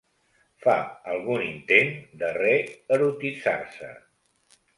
Fa algun intent de reerotitzar-se.